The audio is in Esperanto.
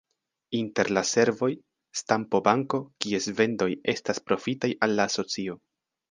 Inter la servoj, stampo-banko, kies vendoj estas profitaj al la asocio.